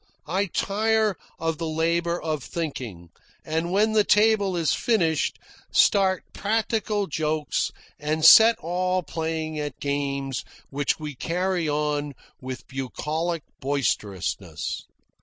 I tire of the labour of thinking, and, when the table is finished, start practical jokes and set all playing at games, which we carry on with bucolic boisterousness.